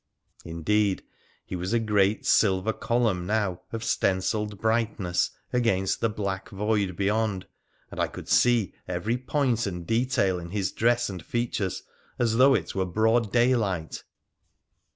Indeed, he was a great silver column now of stencilled brightness against the black void beyond, and I could see every point and detail in his dress and features as though it were broad daylight.